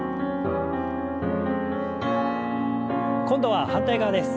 今度は反対側です。